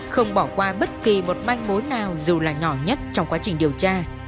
không bỏ qua bất kỳ một manh mối nào dù là nhỏ nhất trong quá trình điều tra